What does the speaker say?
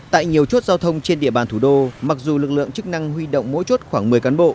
tại nhiều chốt giao thông trên địa bàn thủ đô mặc dù lực lượng chức năng huy động mỗi chốt khoảng một mươi cán bộ